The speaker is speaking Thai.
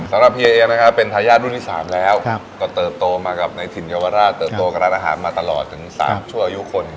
สำหรับพี่เองนะครับเป็นทายาทรุ่นที่๓แล้วก็เติบโตมากับในถิ่นเยาวราชเติบโตกับร้านอาหารมาตลอดถึง๓ชั่วอายุคน